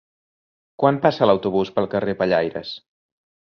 Quan passa l'autobús pel carrer Pellaires?